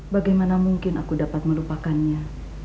bagaimana mungkin aku dapat melupakannya